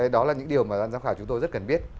đó là những điều mà ban giám khảo chúng tôi rất cần biết